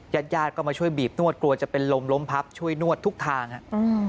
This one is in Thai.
ญาติญาติก็มาช่วยบีบนวดกลัวจะเป็นลมล้มพับช่วยนวดทุกทางฮะอืม